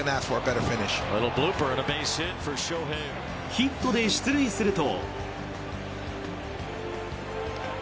ヒットで出塁すると。